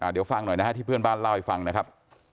เดี๋ยวฟังหน่อยนะฮะที่เพื่อนบ้านเล่าให้ฟังนะครับ